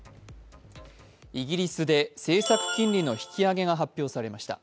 イギリスで政策金利の引き上げが発表されました。